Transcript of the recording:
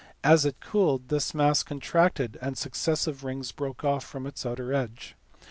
As it cooled, this mass contracted and successive rings broke off from its outer edge.